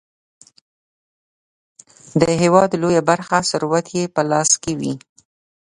د هیواد لویه برخه ثروت یې په لاس کې وي.